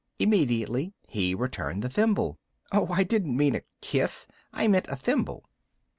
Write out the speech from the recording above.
Immediately he returned the thimble. "Oh! I didn't mean a kiss, I meant a thimble!"